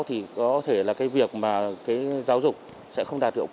thì có thể là cái việc mà giáo dục sẽ không thể làm được